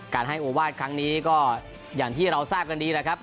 การให้โอวาสครั้งนี้ก็อย่างที่เราทราบกันดีแหละครับ